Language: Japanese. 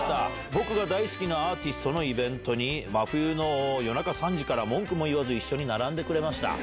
僕が大好きなアーティストのイベントに、真冬の夜中３時から、文句も言わず一緒に並んでくれました。